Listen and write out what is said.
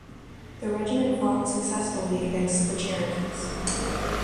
The regiment fought successfully against the Cherokees.